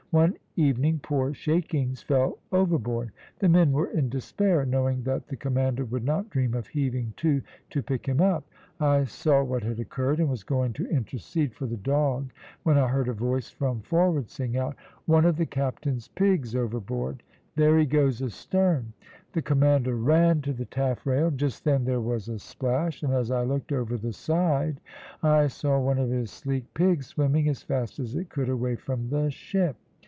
One evening poor Shakings fell overboard. The men were in despair, knowing that the commander would not dream of heaving to to pick him up. I saw what had occurred, and was going to intercede for the dog when I heard a voice from forward sing out, `One of the captain's pigs overboard there he goes astern.' The commander ran to the taffrail. Just then there was a splash, and as I looked over the side I saw one of his sleek pigs swimming as fast it could away from the ship.